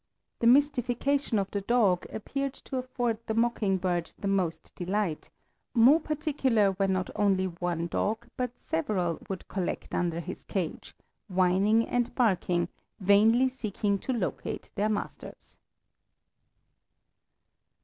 The mystification of the dog appeared to afford the mockingbird the most delight, more particularly when not only one dog, but several would collect under his cage, whining and barking, vainly seeking to locate their masters.